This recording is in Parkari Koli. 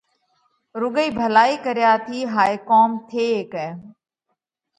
رُوڳئِي ڀلائِي ڪريا ٿِي هائي ڪوم ٿي هيڪئه۔